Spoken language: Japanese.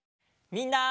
みんな！